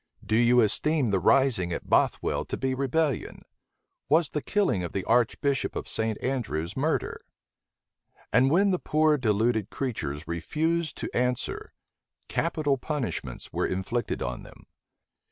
Do you esteem the rising at Bothwel to be rebellion? Was the killing of the archbishop of St. Andrews murder?" And when the poor deluded creatures refused to answer, capital punishments were inflicted on them.